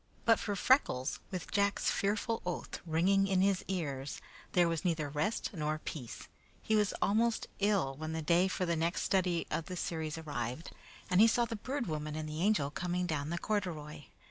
But for Freckles, with Jack's fearful oath ringing in his ears, there was neither rest nor peace. He was almost ill when the day for the next study of the series arrived and he saw the Bird Woman and the Angel coming down the corduroy.